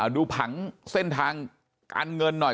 ดูผังเส้นทางการเงินหน่อย